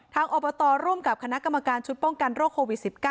อบตร่วมกับคณะกรรมการชุดป้องกันโรคโควิด๑๙